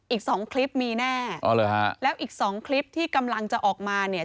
อีกสองคลิปมีแน่อ๋อเหรอฮะแล้วอีกสองคลิปที่กำลังจะออกมาเนี่ย